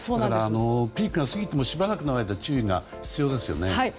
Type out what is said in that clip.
ピークが過ぎてもしばらくの間注意が必要ですよね。